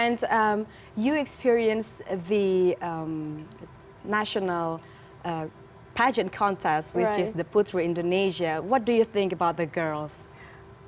anda mengalami pertempuran pajak nasional dengan putri indonesia bagaimana pendapat anda tentang perempuan itu